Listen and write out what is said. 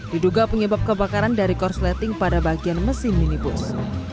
diduga penyebab kebakaran dari korsleting pada bagian mesin minibus